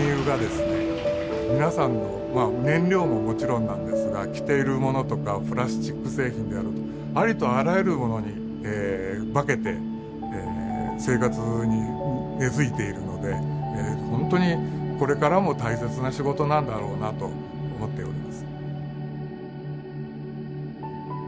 皆さんの燃料ももちろんなんですが着ているものとかプラスチック製品であるとかありとあらゆるものに化けて生活に根づいているのでほんとにこれからも大切な仕事なんだろうなと思っております。